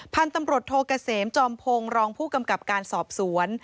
พันธุ์ตำรวจโทเกษมจอมพงศ์รองผู้กำกับการสอบสวน